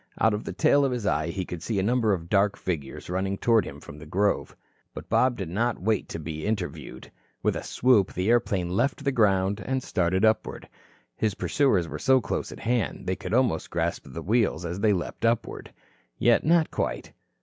Out of the tail of his eye he could see a number of dark figures running toward him from the grove. But Bob did not wait to be interviewed. With a swoop, the airplane left the ground and started upward. His pursuers were so close at hand they could almost grasp the wheels, as they leaped upward. Yet not quite.